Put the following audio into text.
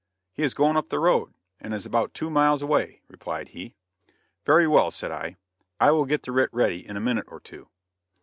"He is going up the road, and is about two miles away," replied he. "Very well," said I, "I will get the writ ready in a minute or two."